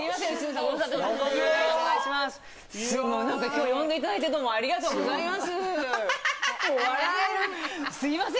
今日、呼んでいただいてどうもありがとうございます。